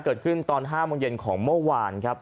เกิดขึ้นตอน๕นเมื่อวาน